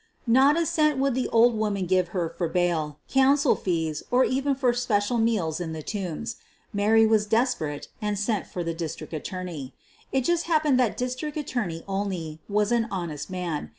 Not a cent would the old woman give her for bail, counsel fees, or even for special meals in the Tombs. Mary was desperate, and sent for the District Attorney. It just happened that District Attorney Olney was an honest man.